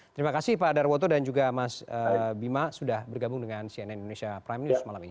terima kasih pak darwoto dan juga mas bima sudah bergabung dengan cnn indonesia prime news malam ini